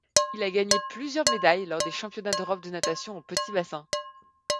Il a gagné plusieurs médailles lors des championnats d'Europe de natation en petit bassin.